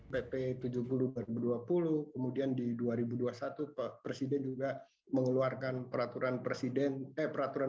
bp tujuh puluh dua ribu dua puluh kemudian di dua ribu dua puluh satu presiden juga mengeluarkan peraturan pemerintah terkait dengan perlindungan